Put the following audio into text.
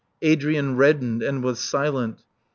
Adrian reddened, and was silent.